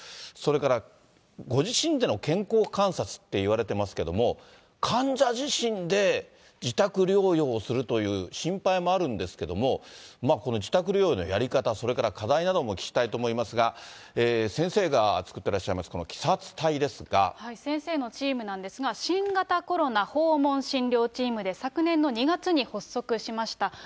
それからご自身での健康観察っていわれていますけれども、患者自身で自宅療養するという心配もあるんですけど、この自宅療養のやり方、それから課題などもお聞きしたいと思いますが、先生が作ってらっしゃいます、先生のチームなんですが、新型コロナ訪問診療チームで、昨年の２月に発足しました。